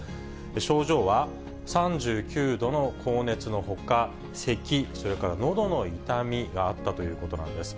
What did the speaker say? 症状は３９度の高熱のほか、せき、それからのどの痛みがあったということなんです。